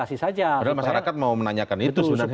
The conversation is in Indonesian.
padahal masyarakat mau menanyakan itu sebenarnya